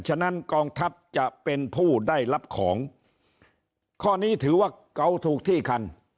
ฉะนั้นกองทัพจะเป็นผู้ได้รับของข้อนี้ถือว่าเกาถูกที่คัน